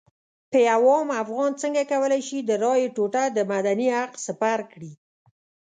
یو عام افغان څنګه کولی شي د رایې ټوټه د مدني حق سپر کړي.